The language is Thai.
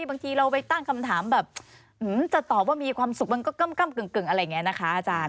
บางทีเราไปตั้งคำถามแบบจะตอบว่ามีความสุขมันก็ก้ำกึ่งอะไรอย่างนี้นะคะอาจารย์